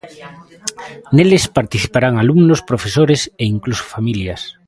Neles participarán alumnos, profesores e incluso familias.